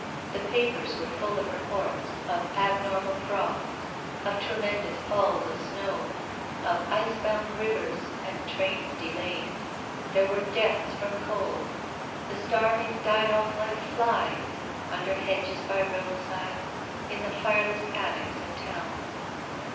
The pa[)ers were full of reports of ab 254 TONGUES OF CONSCIENCE. normal frosts, of tremendous falls of snow, of ice bound rivers and trains delayed. There were deaths from cold. The starving died off like flies, under hedges by roadsides, in the fireless attics of towns.